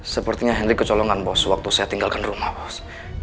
sepertinya henry kecolongan bos waktu saya tinggalkan rumah bos